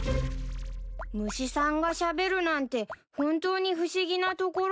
虫さんがしゃべるなんて本当に不思議な所ですね。